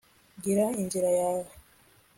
gira inzira yawe